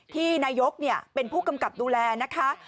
ที่นายกเป็นผู้กำกับดูแลนะคะ